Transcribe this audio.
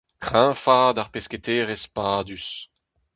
Kreñvaat ar pesketaerezh padus.